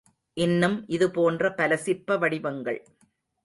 இன்னும் இது போன்ற பல சிற்ப வடிவங்கள்.